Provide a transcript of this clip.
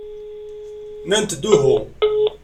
Nnant-d uhu.